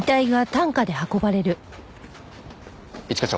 一課長。